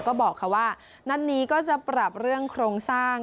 ก็บอกว่านัดนี้ก็จะปรับเรื่องโครงสร้าง